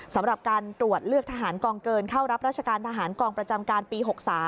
สำหรับการตรวจเลือกทหารกองเกินเข้ารับราชการทหารกองประจำการปี๖๓